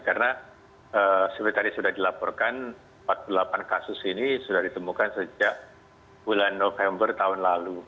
karena seperti tadi sudah dilaporkan empat puluh delapan kasus ini sudah ditemukan sejak bulan november tahun lalu